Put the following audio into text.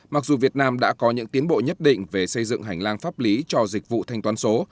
mặc dù việt nam đã có những tiến bộ nhất định về xây dựng hành lang pháp lý cho dịch vụ thanh toán số